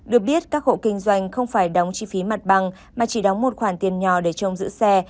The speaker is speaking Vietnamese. được biết các hộ kinh doanh không phải đóng chi phí mặt bằng mà chỉ đóng một khoản tiền nhỏ để trông giữ xe